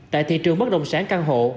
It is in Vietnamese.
tại thị trường bất đồng sản căn hộ